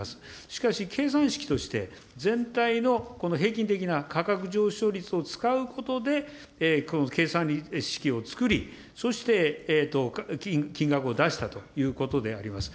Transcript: しかし、計算式として、全体のこの平均的な価格上昇率を使うことで、この計算式をつくり、そして金額を出したということであります。